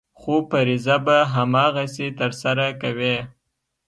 خو فریضه به هماغسې ترسره کوې.